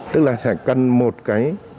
tức là sẽ cần một cái